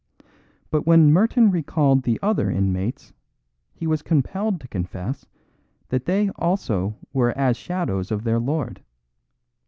But when Merton recalled the other inmates, he was compelled to confess that they also were as shadows of their lord.